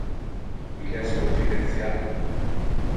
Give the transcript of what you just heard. Il es confidential